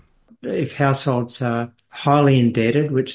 jika keluarga tersebut sangat berharga